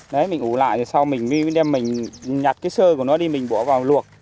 đấy mình ủ lại rồi sau mình nhặt cái sơ của nó đi mình bỏ vào luộc